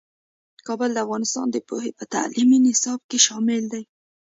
کابل د افغانستان د پوهنې په تعلیمي نصاب کې شامل دی.